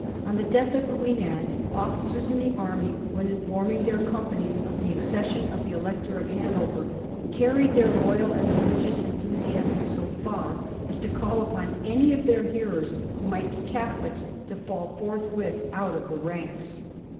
On the death of Queen Anne, officers in the army when informing their companies of the accession of the Elector of Hanover, Digiti zed by Google 188 A HISTOKY OF THE POUR GEORGES, ch. Tm. carried their loyal and religious enthusiasm so far as to call upon any of their hearers who might be Catholics to fall forthwith out of the ranks.